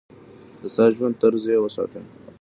د ساده ژوند طرز يې وساته.